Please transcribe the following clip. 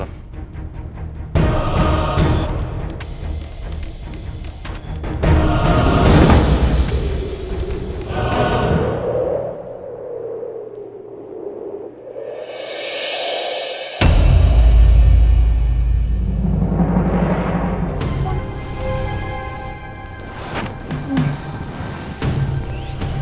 semungkin lagi mereka menginap disini